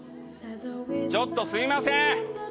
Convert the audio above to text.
ちょっとすいません。